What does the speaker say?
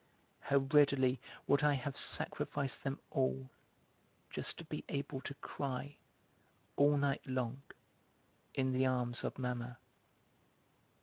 How readily would I have sacrificed them all, just to be able to cry, all night long, in the arms of Mamma!